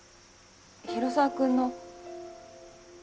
広沢君の